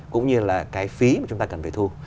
cũng như là cái phí mà chúng ta cần phải thu